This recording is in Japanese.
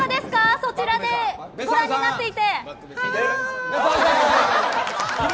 そちらでご覧になっていて。